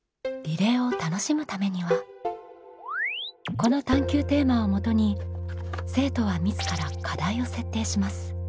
この探究テーマをもとに生徒は自ら課題を設定します。